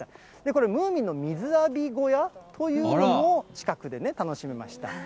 これ、ムーミンの水浴び小屋というのも近くで楽しめました。